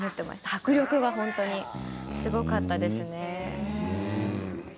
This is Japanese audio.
迫力が本当にすごかったですね。